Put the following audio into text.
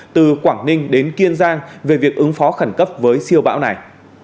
từ quảng ninh đến kiên giang về việc ứng phó khẩn cấp với siêu bão này